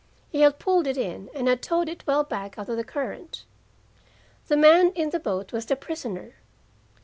He had pulled it in, and had towed it well back out of the current. The man in the boat was the prisoner.